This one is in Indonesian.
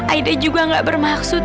aida juga gak bermaksud